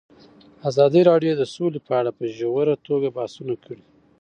ازادي راډیو د سوله په اړه په ژوره توګه بحثونه کړي.